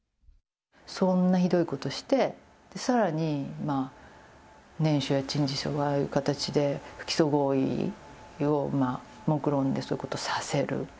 そんなひどいことして、さらに念書や陳述書がああいう形で不起訴合意をもくろんで、そういうことをさせる。